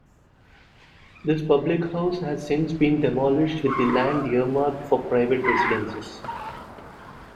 This Public House has since been demolished, with the land earmarked for Private Residences.